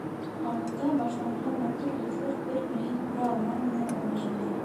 Ауылда башланған матур дуҫлыҡ бер-береһен күрә алмау менән алмашынды.